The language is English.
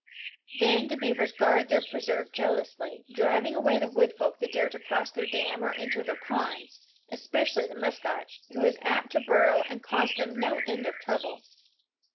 Then the beavers guard their preserve jealously, driving away the wood folk that dare to cross their dam or enter their ponds, especially the musquash, who is apt to burrow and cause them no end of trouble.